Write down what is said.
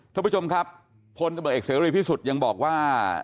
ท่านผู้ชมครับพลตำรวจเอกเสรีพิสุทธิ์ยังบอกว่า